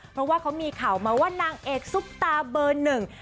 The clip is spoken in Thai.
เพราะว่าเขามีข่าวมาว่านางเอกซุปตาเบอร์หนึ่ง